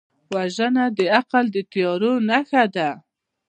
وژنه د عقل د تیارو نښه ده